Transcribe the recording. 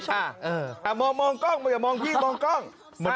๕แสนล้านพบ๕แสนล้านชาติในอเวจีปล่อยเป็ดอยู่นี้ค่ะ